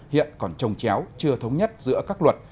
hiện còn trồng chéo chưa thống nhất giữa các luật